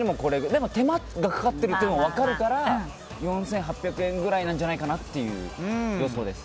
でも手間がかかってるっていうのも分かるから４８００円ぐらいなんじゃないかなっていう予想です。